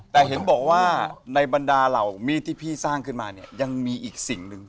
แต่เห็นบอกว่าในบรรดาเหล่ามีดที่พี่สร้างขึ้นมาเนี่ยยังมีอีกสิ่งหนึ่ง